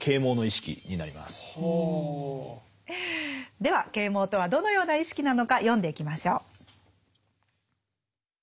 では啓蒙とはどのような意識なのか読んでいきましょう。